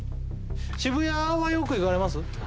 渋谷はよく行かれます？